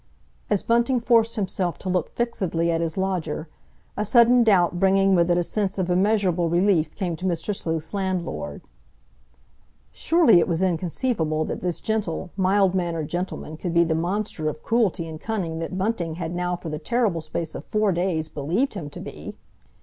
As Bunting forced himself to look fixedly at his lodger, a sudden doubt bringing with it a sense of immeasurable relief, came to Mr. Sleuth's landlord. Surely it was inconceivable that this gentle, mild mannered gentleman could be the monster of cruelty and cunning that Bunting had now for the terrible space of four days believed him to be!